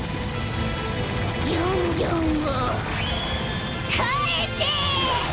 ギョンギョンをかえせ！